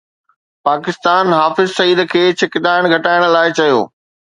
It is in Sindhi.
پاڪستان حافظ سعيد کي ڇڪتاڻ گهٽائڻ لاءِ چيو